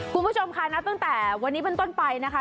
คุณผู้ชมค่ะนับตั้งแต่วันนี้เป็นต้นไปนะคะ